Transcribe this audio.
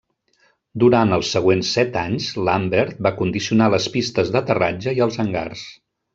Durant els següents set anys Lambert va condicionar les pistes d'aterratge i els hangars.